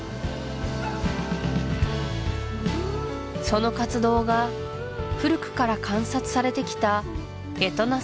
その活動が古くから観察されてきたエトナ